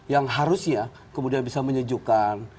yang harusnya kemudian bisa menyejukkan